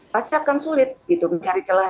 pasti akan sulit gitu mencari celah